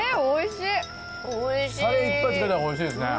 タレいっぱいつけた方がおいしいですね